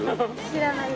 知らない。